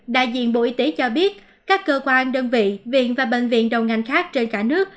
đại diện bộ y tế cho biết các cơ quan đơn vị viện và bệnh viện đầu ngành khác trên cả nước